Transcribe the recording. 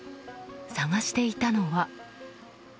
探していたのは。